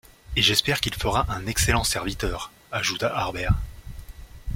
Et j’espère qu’il fera un excellent serviteur, ajouta Harbert